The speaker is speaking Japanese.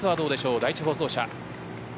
第１放送車。